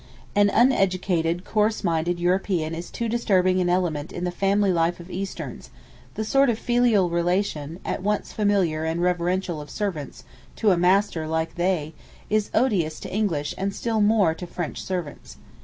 An uneducated, coarse minded European is too disturbing an element in the family life of Easterns; the sort of filial relation, at once familiar and reverential of servants to a master they like, is odious to English and still more to French servants.